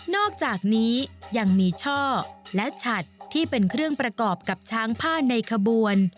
อกจากนี้ยังมีช่อและฉัดที่เป็นเครื่องประกอบกับช้างผ้าในขบวน